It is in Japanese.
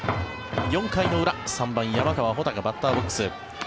４回の裏、３番、山川穂高バッターボックス。